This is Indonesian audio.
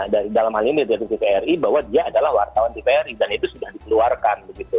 dalam hal ini dari tvri bahwa dia adalah wartawan tvri dan itu sudah dikeluarkan